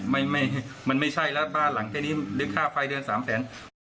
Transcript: มันไม่ใช่แล้วบ้านหลังแค่นี้ค่าไฟเดือน๓แสน